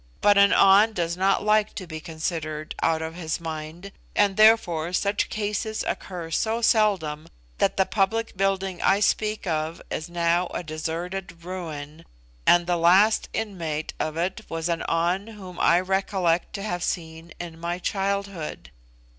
But an An does not like to be considered out of his mind, and therefore such cases occur so seldom that the public building I speak of is now a deserted ruin, and the last inmate of it was an An whom I recollect to have seen in my childhood.